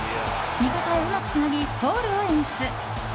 味方へうまくつなぎゴールを演出。